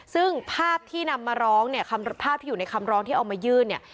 ซึ่งภาพที่นำมาร้องเนี่ยภาพที่อยู่ในคำร้องที่เอามายื่นเนี่ย